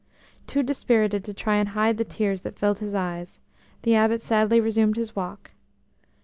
Too dispirited to try and hide the tears that filled his eyes, the Abbot sadly resumed his walk.